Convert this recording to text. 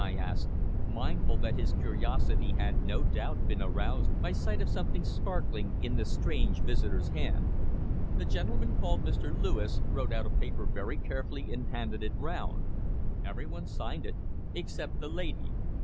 I asked, mindful that his curiosity had no doubt been aroused by sight of something sparkling in the strange visitor's hand. "The gentleman called Mr. Lewis wrote out a paper very carefully and handed it round. Every one signed it except the lady.